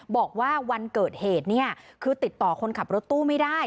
บอกว่าวันเกิดเหตุเนี่ยคือติดต่อคนขับรถตู้ไม่ได้